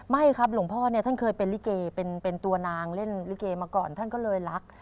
ไม่ครับหลวงพ่อเนี่ยท่านเคยเป็นลิเกเป็นตัวนางเล่นลิเกมาก่อนท่านก็เลยรัก